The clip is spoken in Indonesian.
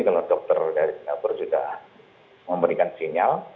kalau dokter dari singapura sudah memberikan sinyal